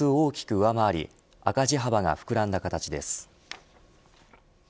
上回り赤字額が膨らんだ形です。